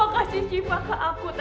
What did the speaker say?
tolong kasih syifa ke aku tante